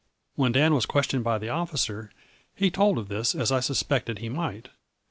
When Dan was ques tioned by the officer he told of this as I sus pected he might.